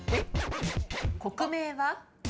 国名は？